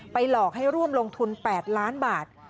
หลอกให้ร่วมลงทุน๘ล้านบาท